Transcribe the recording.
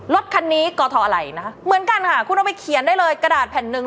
รถคันนี้กทอะไรนะคะเหมือนกันค่ะคุณเอาไปเขียนได้เลยกระดาษแผ่นหนึ่ง